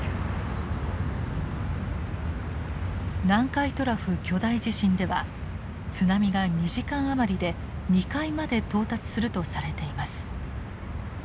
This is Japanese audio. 南海トラフ巨大地震では津波が２時間余りで２階まで到達するとされています。